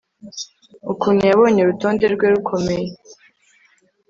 Ukuntu yabonye urutonde rwe rukomeye